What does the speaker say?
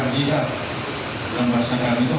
jangan basahkan itu